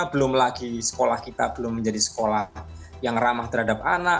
belum lagi sekolah kita belum menjadi sekolah yang ramah terhadap anak